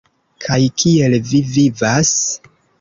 Kaj kiel vi vivas?